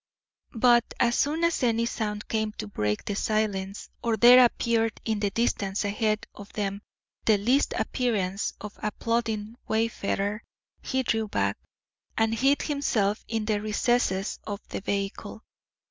But as soon as any sound came to break the silence, or there appeared in the distance ahead of them the least appearance of a plodding wayfarer, he drew back, and hid himself in the recesses of the vehicle.